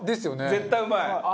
絶対うまい。